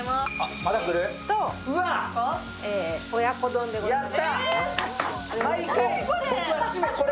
親子丼でございます。